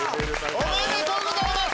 おめでとうございます！